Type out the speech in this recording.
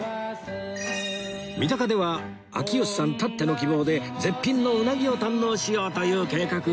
三鷹では秋吉さんたっての希望で絶品のうなぎを堪能しようという計画！